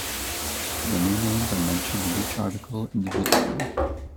The new names are mentioned in each article individually.